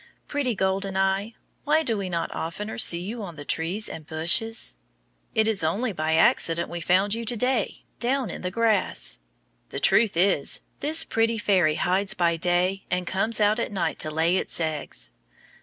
Pretty golden eye, why do we not oftener see you on the trees and bushes? It is only by accident we found you to day, down in the grass. The truth is, this pretty fairy hides by day and comes out at night to lay its eggs.